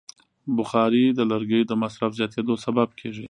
بخاري د لرګیو د مصرف زیاتیدو سبب کېږي.